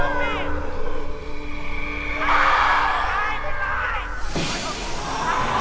โหมึงยังห่วงน้องสาวอีก